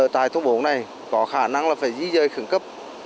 tại thôn bốn này có khả năng là phải di dời khẩn cấp